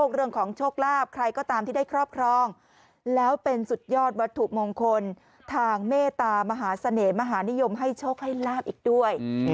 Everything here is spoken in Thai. เรื่องของโชคลาภใครก็ตามที่ได้ครอบครองแล้วเป็นสุดยอดวัตถุมงคลทางเมตามหาเสน่หมหานิยมให้โชคให้ลาบอีกด้วย